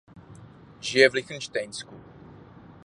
Žije v Lichtenštejnsku.